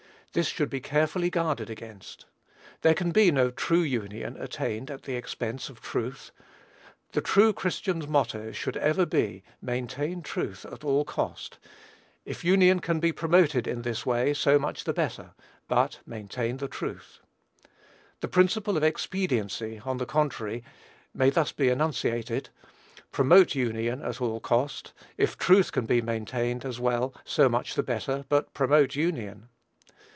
This should be carefully guarded against. There can be no true union attained at the expense of truth. The true Christian's motto should ever be "maintain truth at all cost; if union can be promoted in this way, so much the better; but maintain the truth." The principle of expediency, on the contrary, may be thus enunciated: "Promote union at all cost; if truth can be maintained as well, so much the better; but promote union."